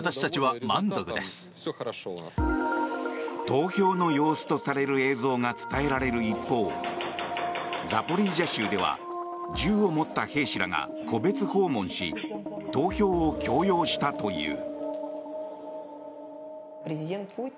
投票の様子とされる映像が伝えられる一方ザポリージャ州では銃を持った兵士らが戸別訪問し投票を強要したという。